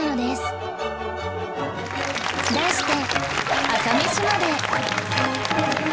題して